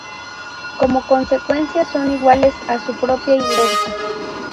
Como consecuencia son iguales a su propia inversa.